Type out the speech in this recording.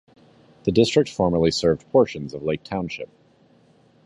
The district formerly served portions of Lake Township.